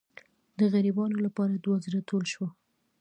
د غریبانو لپاره دوه زره ټول شول.